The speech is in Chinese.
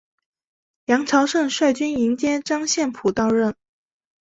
杨朝晟率军迎接张献甫到任。